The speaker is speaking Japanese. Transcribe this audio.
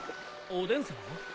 おでんさま？